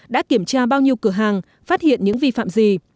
đã kiểm tra bao nhiêu cửa hàng phát hiện những vi phạm gì